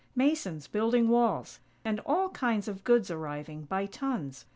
Masons building walls, and all kinds of goods arriving, by tons.